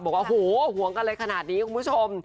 บอกว่าโหห่วงกันอะไรขนาดนี้คุณผู้ชม